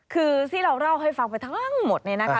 คือที่เราเล่าให้ฟังไปทั้งหมดเนี่ยนะคะ